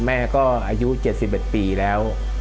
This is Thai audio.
แม่ก็อายุ๗๑ปีแล้ว